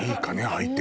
相手。